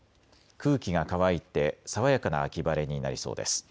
空気が乾いて爽やかな秋晴れになりそうです。